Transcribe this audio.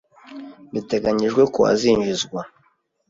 biteganyijwe ko azinjizwa